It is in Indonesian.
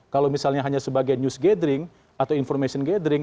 kalau misalnya hanya sebagai news gathering atau information gathering